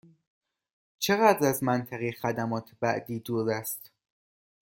چقدر از منطقه خدمات بعدی دور است؟